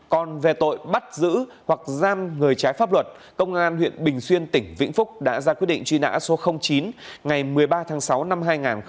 còn về tội bắt giữ hoặc giam người trái pháp luật công an huyện bình xuyên tỉnh vĩnh phúc đã ra quyết định truy nã số chín ngày một mươi ba tháng sáu năm hai nghìn một mươi ba